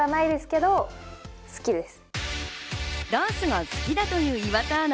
ダンスが好きだという岩田アナ。